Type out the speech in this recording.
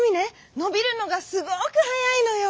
のびるのがすごくはやいのよ。